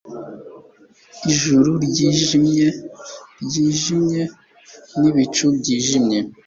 ijuru ryijimye ryijimye, n'ibicu byijimye